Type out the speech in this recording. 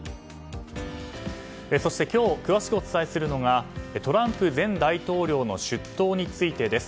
そして今日詳しくお伝えするのがトランプ前大統領の出頭についてです。